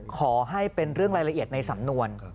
ขอให้เป็นเรื่องรายละเอียดในสำนวน